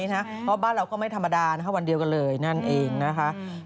เพราะบ้านเราก็ไม่ธรรมดาวันเดียวกันเลยนั่นเองนะคะ